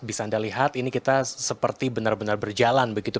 bisa anda lihat ini kita seperti benar benar berjalan begitu